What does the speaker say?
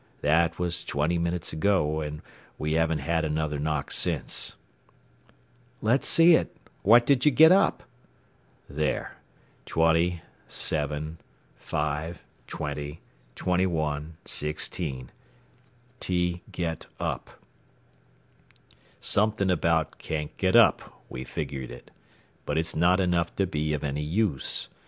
That was twenty minutes ago, and we haven't had another knock since." "Let's see it. What did you get?" "There '20, 7, 5, 20, 21, 16' 'T G E T U P.' Something about 'can't get up,' we figured it. But it's not enough to be of any use.